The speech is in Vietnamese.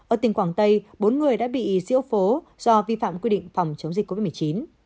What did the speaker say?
ở tỉnh quảng tây bốn người đã bị diễu phố do vi phạm quy định phòng chống dịch covid một mươi chín